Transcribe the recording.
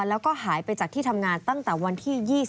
แล้วก็หายไปจากที่ทำงานตั้งแต่วันที่๒๒